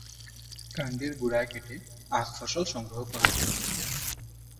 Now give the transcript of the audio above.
কান্ডের গোড়ায় কেটে আখ ফসল সংগ্রহ করা হয়।